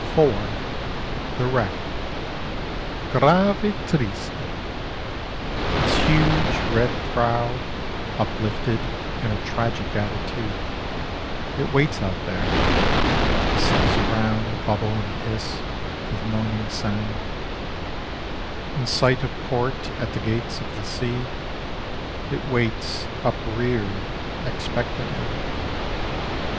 (4) THE WRECK Grave: triste. Its huge red prow Uplifted in a tragic attitude, It waits out there; the seas around Bubble and hiss with moaning sound: In sight of port at the gates of the sea, It waits upreared expectantly.